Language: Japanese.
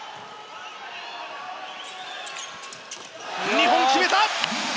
２本、決めた！